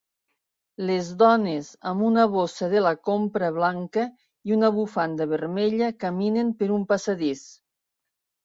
Les dones amb una bossa de la compra blanca i una bufanda vermella caminen per un passadís.